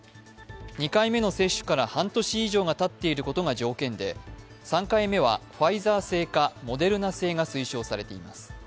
２回目の接種から半年以上がたっていることが条件で３回目はファイザー製かモデルナ製が推奨されています。